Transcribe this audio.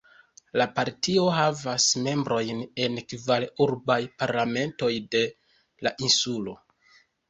La partio havas membrojn en kvar urbaj parlamentoj de la insulo.